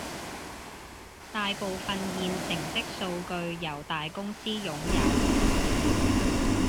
大部分現成的數據由大公司擁有